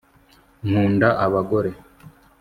nkunda abagore